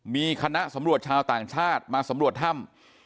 มีคณะสำรวจชาวต่างชาติมาสำรวจถ้ำ